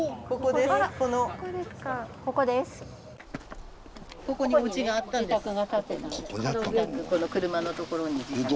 ここですか？